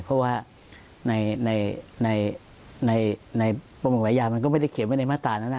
เพราะว่าในประมวลกฎหมายอาญามันก็ไม่ได้เขียนไว้ในมาตรานั้น